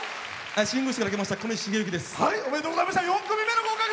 新宮市から来ましたこにしです。